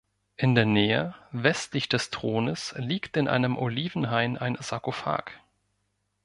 In der Nähe, westlich des Thrones, liegt in einem Olivenhain ein Sarkophag.